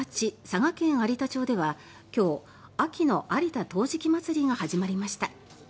佐賀県有田町では今日秋の有田陶磁器まつりが始まりました。